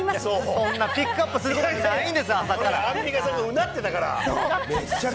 そんなピックアップすることアンミカさんがうなってたから。